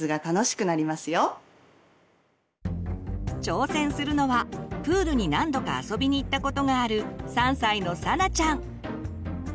挑戦するのはプールに何度か遊びに行ったことがある３歳のさなちゃん。